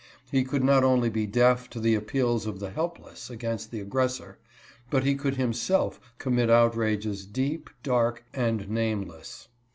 He could not only be deaf to the appeals of the helpless against the aggressor, but he could him self commit outrages deep, dark, and nameless.